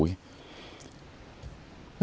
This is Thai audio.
โอ้โฮ